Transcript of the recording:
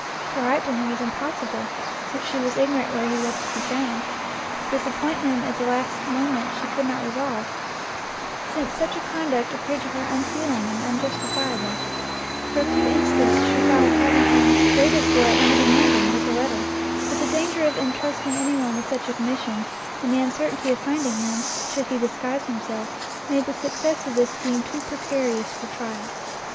To write to him was impossible, since she was ignorant where he was to be found; to disappoint him at the last moment she could not resolve, since such a conduct appeared to her unfeeling and unjustifiable; for a few instants she thought of having him waited for at night in London, with a letter; but the danger of entrusting any one with such a commission, and the uncertainty of finding him, should he disguise himself, made the success of this scheme too precarious for trial.